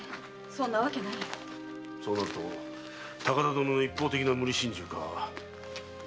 そうなると高田殿の一方的な無理心中かあるいは。